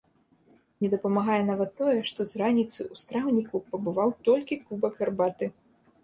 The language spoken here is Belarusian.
Не дапамагае нават тое, што з раніцы ў страўніку пабываў толькі кубак гарбаты!